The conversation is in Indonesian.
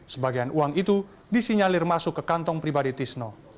sebagian uang itu disinyalir masuk ke kantong pribadi tisno